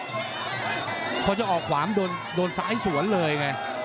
เพราะจะออกความโดนสายสวนเลยไง